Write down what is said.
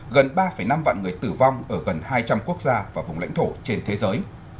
gần ba năm vạn người tử vong ở gần hai trăm linh quốc gia và vùng lãnh thổ trên thế giới